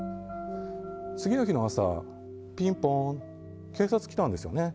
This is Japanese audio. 次の日の朝、ピンポンって警察が来たんですよね。